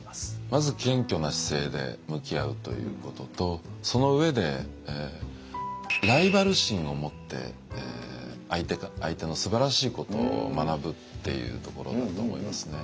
まず謙虚な姿勢で向き合うということとその上でライバル心をもって相手のすばらしいことを学ぶっていうところだと思いますね。